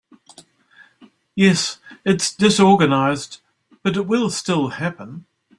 Yes, it’s disorganized but it will still happen.